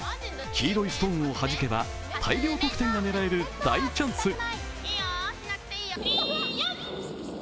黄色いストーンをはじけば大量得点が狙える大チャンス。